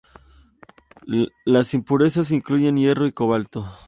Las impurezas incluyen hierro y cobalto.